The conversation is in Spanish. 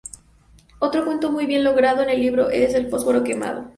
Otro cuento muy bien logrado en este libro es "El fósforo quemado".